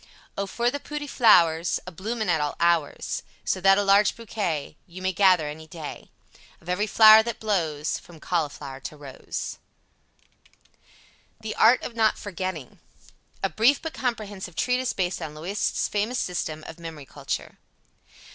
O for the pooty flouers A bloomin at all ours, So that a large Bokay Yew may gether any day Of ev'ry flour that blose from Colleflour to rose. THE ART OF NOT FORGETTING. A Brief but Comprehensive Treatise Based on Loisette's Famous System of Memory Culture.